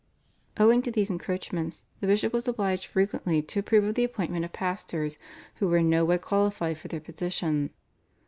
Owing to these encroachments the bishop was obliged frequently to approve of the appointment of pastors who were in no way qualified for their position.